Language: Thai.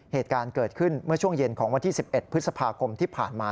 เหตุการณ์เกิดขึ้นเมื่อช่วงเย็นของวันที่๑๑พฤษภาคมที่ผ่านมา